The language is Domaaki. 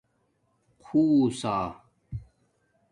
خُوسا